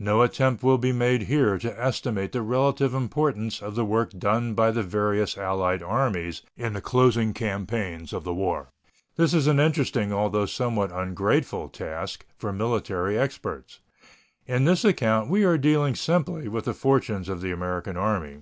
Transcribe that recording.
No attempt will be made here to estimate the relative importance of the work done by the various allied armies in the closing campaigns of the war. This is an interesting, although somewhat ungrateful, task for military experts. In this account we are dealing simply with the fortunes of the American Army.